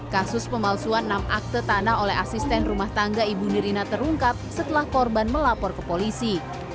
kasus pemalsuan enam akte tanah oleh asisten rumah tangga ibu nirina terungkap setelah korban melapor ke polisi